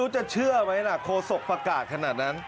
ใจเย็นครับใจเย็น